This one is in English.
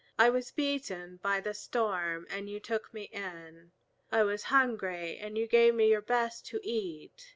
I was beaten by the storm, and you took me in. I was hungry, and you gave me your best to eat.